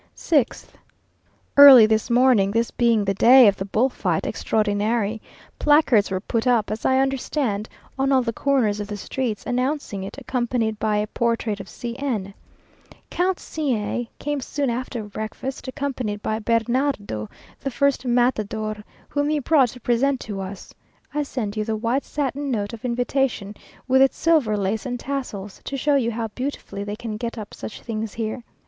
6th. Early this morning, this being the day of the "bull fight extraordinary," placards were put up, as I understand, on all the corners of the streets, announcing it, accompanied by a portrait of C n! Count C a came soon after breakfast, accompanied by Bernardo, the first matador, whom he brought to present to us. I send you the white satin note of invitation, with its silver lace and tassels, to show you how beautifully they can get up such things here.